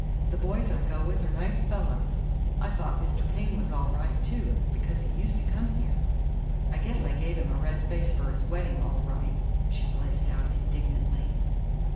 The boys I go with are nice fellows. I thought Mr. Paine was all right, too, because he used to come here. I guess I gave him a red face for his wedding, all right!" she blazed out indignantly.